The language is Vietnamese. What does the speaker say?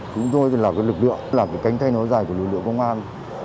chúng tôi là cái lực lượng là cái cánh tay nối dài của lực lượng công an